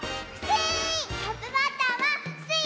スイ！